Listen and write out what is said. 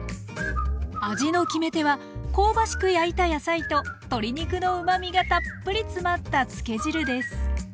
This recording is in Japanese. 味の決め手は香ばしく焼いた野菜と鶏肉のうまみがたっぷり詰まったつけ汁です。